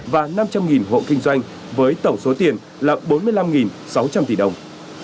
và năm trăm linh hộ kinh doanh với tổng số tiền là bốn mươi năm sáu trăm linh tỷ đồng